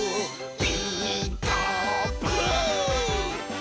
「ピーカーブ！」